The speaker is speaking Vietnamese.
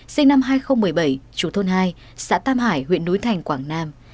sinh năm hai nghìn một mươi bảy chú thôn hai xã tam hải huyện núi thành quảng nam